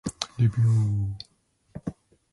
N. J.